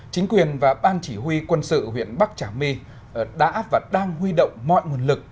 chính quyền và ban chỉ huy quân sự huyện bắc trà my đã và đang huy động mọi nguồn lực